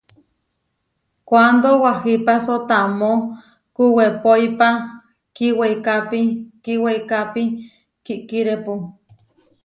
Kuándo wahipáso tamó kuwepoípa kíweikápi kíweikápi kikirépu.